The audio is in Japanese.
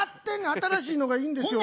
新しいのがいいんですよ。